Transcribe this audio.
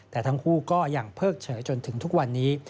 แต่ทั้งคู่ก็ยังเพิกเฉยจนถึงทุกวันนี้